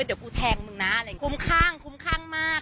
เดี๋ยวกูแทงมึงนะคุ้มข้างคุ้มข้างมาก